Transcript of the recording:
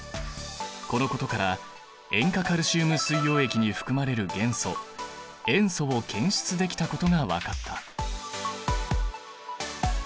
このことから塩化カルシウム水溶液に含まれる元素塩素を検出できたことが分かった。